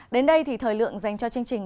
đến đây thì thời lượng dành cho chương trình